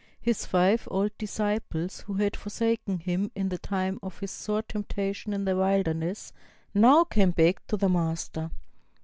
His five old disciples, who had forsaken him in the time of his sore temptation in the wilderness, now came back to their master.